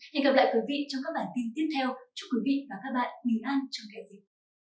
hẹn gặp lại quý vị trong các bản tin tiếp theo chúc quý vị và các bạn mì ăn trong ngày hôm nay